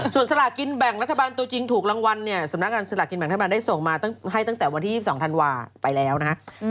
ส่วนสลากินแบ่งรัฐบาลตัวจริงถูกรางวัลเนี่ยสำนักงานสลากกินแบ่งรัฐบาลได้ส่งมาให้ตั้งแต่วันที่๒๒ธันวาไปแล้วนะฮะ